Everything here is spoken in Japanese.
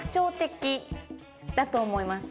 だと思います。